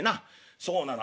「そうなの。